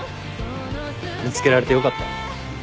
見つけられてよかった。